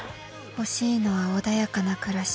欲しいのは穏やかな暮らし。